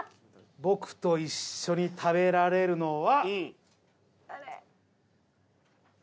僕と一緒に食べられるのは。